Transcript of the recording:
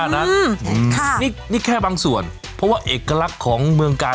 นี่แค่บางส่วนเพราะว่าเอกลักษณ์ของเมืองกาล